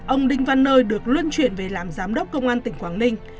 ông đinh văn nơi được luân chuyển về làm giám đốc công an tỉnh quảng ninh